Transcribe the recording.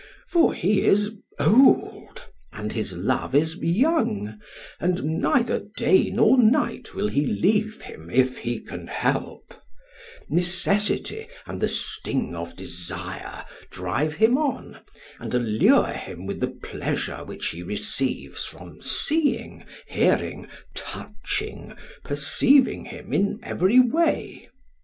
For he is old and his love is young, and neither day nor night will he leave him if he can help; necessity and the sting of desire drive him on, and allure him with the pleasure which he receives from seeing, hearing, touching, perceiving him in every way.